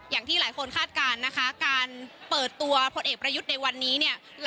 อย่างที่หลายคนคาดการณ์นะคะการเปิดตัวพลเอกประยุทธ์ในวันนี้เนี่ย